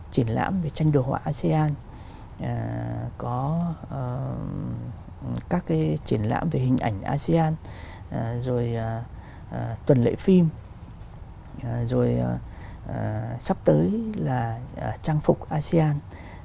triển lãm về tranh đồ họa asean có các cái triển lãm về hình ảnh asean rồi tuần lễ phim rồi sắp tới là trang phục asean